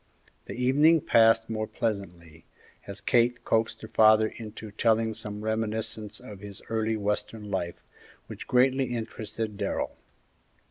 The evening passed more pleasantly, as Kate coaxed her father into telling some reminiscences of his early western life, which greatly interested Darrell.